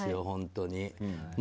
本当に。